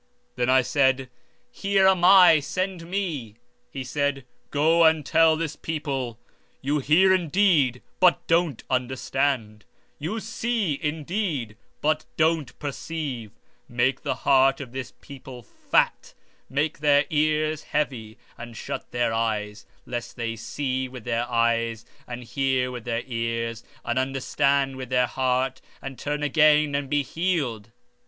Then I said: Here am I; send me. 16:9 And he said: Go and tell this people—Hear ye indeed, but they understood not; and see ye indeed, but they perceived not. 16:10 Make the heart of this people fat, and make their ears heavy, and shut their eyes—lest they see with their eyes, and hear with their ears, and understand with their heart, and be converted and be healed.